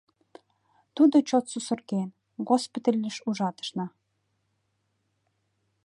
Тудо чот сусырген, госпитальыш ужатышна...